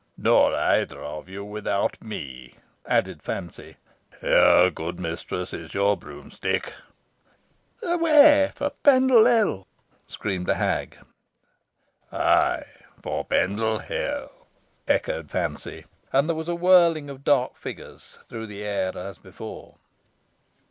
"Nor either of you without me," added Fancy. "Here, good mistress, is your broomstick." "Away for Pendle Hill!" screamed the hag. "Ay, for Pendle Hill!" echoed Fancy. And there was a whirling of dark figures through the air as before.